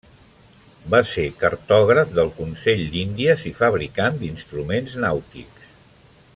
Va ser cartògraf del Consell d'Índies i fabricant d'instruments nàutics.